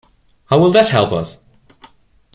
How will that help us?